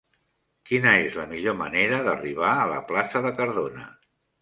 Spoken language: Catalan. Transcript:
Quina és la millor manera d'arribar a la plaça de Cardona?